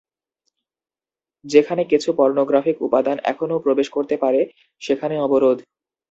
যেখানে কিছু পর্নোগ্রাফিক উপাদান এখনও প্রবেশ করতে পারে সেখানে অবরোধ।